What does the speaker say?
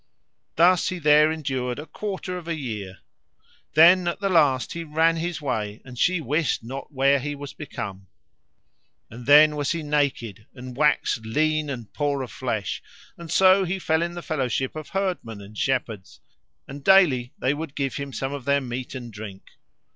Thus he there endured a quarter of a year. Then at the last he ran his way, and she wist not where he was become. And then was he naked and waxed lean and poor of flesh; and so he fell in the fellowship of herdmen and shepherds, and daily they would give him some of their meat and drink.